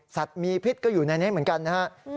สัตว์มีพิษก็อยู่ในนี้เหมือนกันนะฮะ